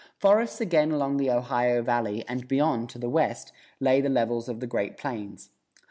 Forests again along the Ohio Valley, and beyond, to the west, lay the levels of the Great Plains.